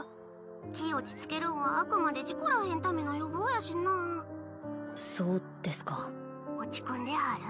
気落ち着けるんはあくまで事故らへんための予防やしなそうですか落ち込んではる？